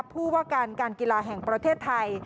ผู้ว่าการการกีฬาแห่งประเทศไทย